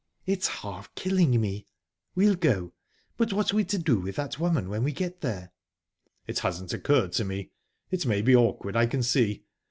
"It's half killing me...We'll go...But what are we to do with that woman when we get there?" "It hasn't occurred to me. It may be awkward, I can see."